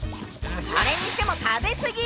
それにしても食べ過ぎ！